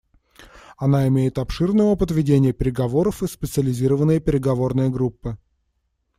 Она имеет обширный опыт ведения переговоров и специализированные переговорные группы.